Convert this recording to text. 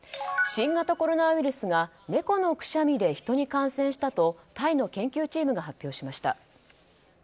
新型コロナウイルスが猫のくしゃみで人に感染したとタイの研究チームが発表しました。